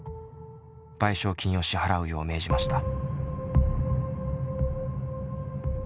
賠償金を支払うよう命じました。